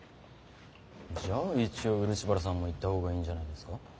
じゃあ一応漆原さんも行った方がいんじゃないですか？